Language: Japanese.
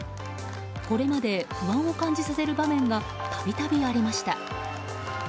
これまで不安を感じさせる場面が度々ありました。